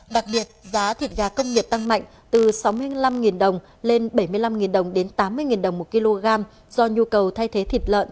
đặc biệt giá thịt gà công nghiệp tăng mạnh từ sáu mươi năm đồng lên bảy mươi năm đồng đến tám mươi đồng một kg do nhu cầu thay thế thịt lợn